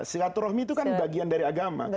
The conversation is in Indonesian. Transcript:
silaturahmi itu kan bagian dari agama